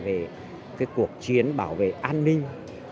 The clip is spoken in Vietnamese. về cuộc chiến bảo vệ an ninh